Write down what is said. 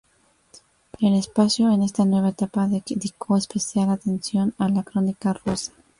El espacio, en esta nueva etapa, dedicó especial atención a la crónica rosa.